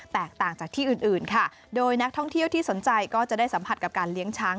แตกต่างจากที่อื่นอื่นค่ะโดยนักท่องเที่ยวที่สนใจก็จะได้สัมผัสกับการเลี้ยงช้าง